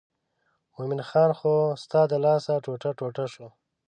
مومن خان خو ستا د لاسه ټوټه ټوټه شو.